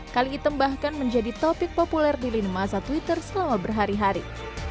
kali item bahkan menjadi topik populer di lini masa twitter selama berhari hari